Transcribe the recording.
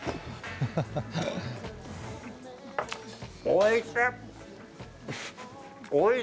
おいしい！